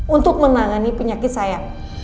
untuk menangani penyakit saya